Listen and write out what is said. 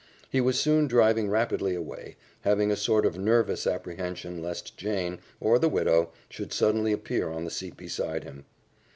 He was soon driving rapidly away, having a sort of nervous apprehension lest Jane, or the widow, should suddenly appear on the seat beside him.